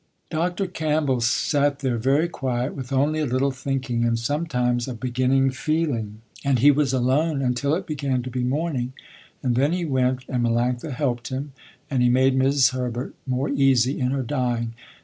Dr. Campbell sat there very quiet, with only a little thinking and sometimes a beginning feeling, and he was alone until it began to be morning, and then he went, and Melanctha helped him, and he made 'Mis' Herbert more easy in her dying.